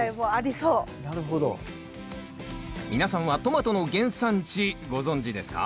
皆さんはトマトの原産地ご存じですか？